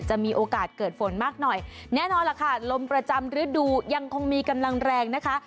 มีโอกาสเกิดฝนมากหน่อยแน่นอนล่ะค่ะลมประจำฤดูยังคงมีกำลังแรงนะคะ